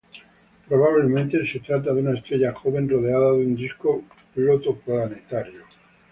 Probablemente se trata de una estrella joven rodeada de un disco protoplanetario.